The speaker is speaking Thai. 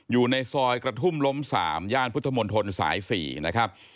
อยู่ในซอยกระทุ่มล้ม๓ย่านพุทธมนตรสาย๔นะครับ